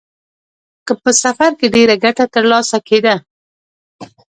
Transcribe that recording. که په سفر کې ډېره ګټه ترلاسه کېده.